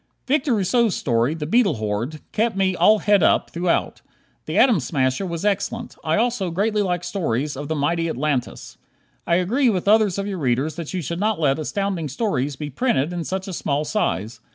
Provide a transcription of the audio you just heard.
Victor Rousseau's story, "The Beetle Horde," kept me "all het up" throughout. "The Atom Smasher" was excellent. I also greatly like stories of the mighty Atlantis. I agree with others of your readers that you should not let Astounding Stories be printed in such a small size.